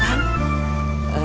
enggak usah kang